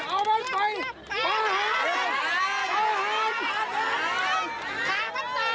คนชาคนมาหลายคนแล้ว